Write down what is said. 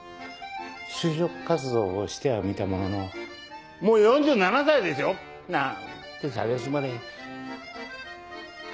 就職活動をしてはみたものの「もう４７歳でしょ？」なんて蔑まれ。